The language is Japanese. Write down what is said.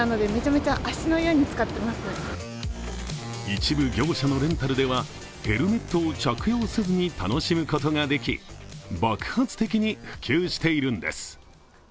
一部業者のレンタルでは、ヘルメットを着用せずに楽しむことができ爆発的に普及しているんです。